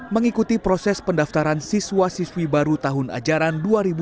mengikuti proses pendaftaran siswa siswi baru tahun ajaran dua ribu dua puluh tiga dua ribu dua puluh empat